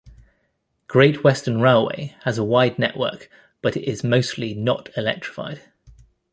Great Western Railway has a wide network, but it is mostly not electrified.